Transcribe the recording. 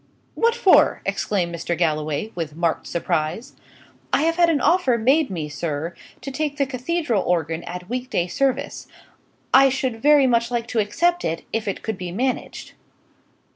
"What for?" exclaimed Mr. Galloway, with marked surprise. "I have had an offer made me, sir, to take the cathedral organ at week day service. I should very much like to accept it, if it could be managed."